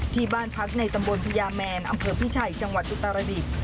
ที่บ้านพักในตำบลพญาแมนอำเภอพิชัยจังหวัดอุตรดิษฐ์